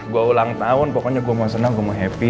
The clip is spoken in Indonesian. gue ulang tahun pokoknya gue mau senang gue happy